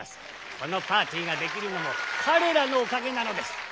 このパーティーができるのも彼らのおかげなのです！